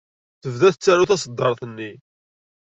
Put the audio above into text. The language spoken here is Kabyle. Tebda tettaru taṣeddart-nni.